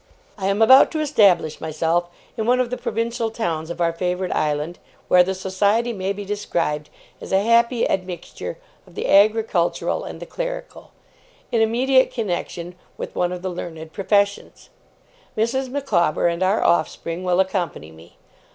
'I am about to establish myself in one of the provincial towns of our favoured island (where the society may be described as a happy admixture of the agricultural and the clerical), in immediate connexion with one of the learned professions. Mrs. Micawber and our offspring will accompany me.